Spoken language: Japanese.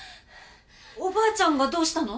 おばあちゃんがどうしたの？